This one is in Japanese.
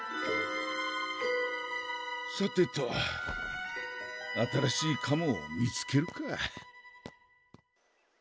さてと新しいカモを見つけるか。